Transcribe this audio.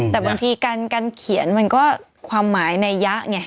แต่บางทีการเขียนมันก็ความหมายในยะไง